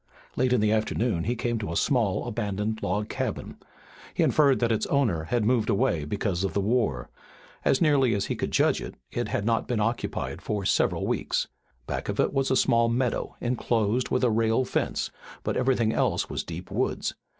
Late in the afternoon he came to a small, abandoned log cabin. He inferred that its owner had moved away because of the war. As nearly as he could judge it had not been occupied for several weeks. Back of it was a small meadow enclosed with a rail fence, but everything else was deep woods.